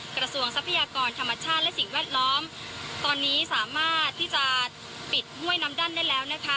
กระทรวงทรัพยากรธรรมชาติและสิ่งแวดล้อมตอนนี้สามารถที่จะปิดห้วยน้ำดั้นได้แล้วนะคะ